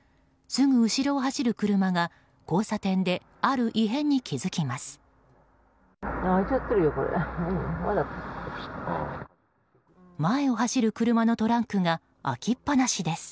すぐ後ろを走る車が交差点である異変に気づきます。